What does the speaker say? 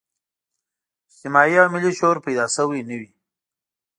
اجتماعي او ملي شعور پیدا شوی نه وي.